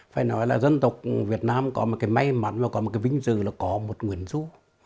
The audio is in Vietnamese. phải nói là dân tộc việt nam có một cái may mắn và có một cái vinh dự là có một nguyễn du